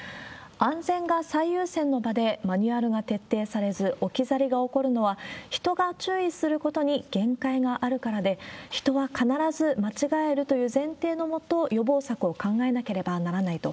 安全が最優先の場でマニュアルが徹底されず、置き去りが起こるのは、人が注意することに限界があるからで、人は必ず間違えるという前提の下、予防策を考えなければならないと。